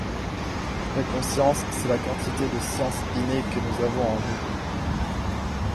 La conscience, c’est la quantité de science innée que nous avons en nous.